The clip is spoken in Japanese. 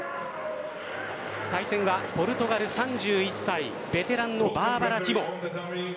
対戦はポルトガル、３１歳ベテランのバーバラ・ティモ。